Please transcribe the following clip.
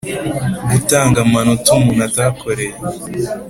Gutanga amanota umuntu atakoreye